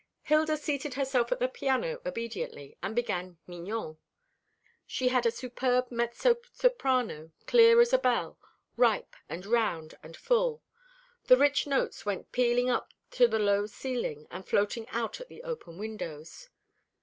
Hilda seated herself at the piano obediently, and began "Mignon." She had a superb mezzo soprano, clear as a bell, ripe and round and full. The rich notes went pealing up to the low ceiling and floating out at the open windows.